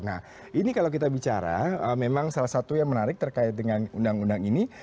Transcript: nah ini kalau kita bicara memang salah satu yang menarik terkait dengan undang undang ini